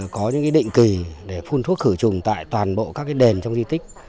có những định kỳ để phun thuốc khử trùng tại toàn bộ các đền trong di tích